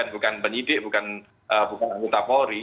bukan penyidik bukan mutafori